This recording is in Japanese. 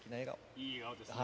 いい笑顔ですね。